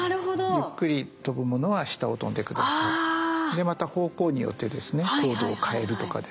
でまた方向によってですね高度を変えるとかですね。